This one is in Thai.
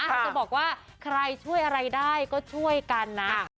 จะบอกว่าใครช่วยอะไรได้ก็ช่วยกันนะ